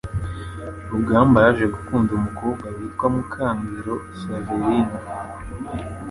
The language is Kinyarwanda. Rugamba yaje gukunda umukobwa witwa Mukangiro Saverina